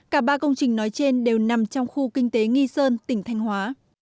cả ba công trình nói trên đều nằm trong khu kinh tế nghi sơn tỉnh thanh hóa